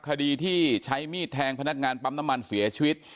คดีที่ใช้มีดแทงพนักงานปั๊มน้ำมันเสียชีวิต